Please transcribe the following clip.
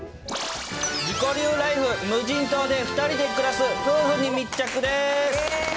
自己流ライフ無人島で２人で暮らす夫婦に密着です。